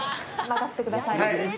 任せてください。